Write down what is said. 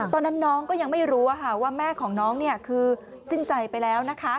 ตอนนั้นน้องก็ยังไม่รู้ว่าแม่ของน้องคือสิ้นใจไปแล้วนะคะ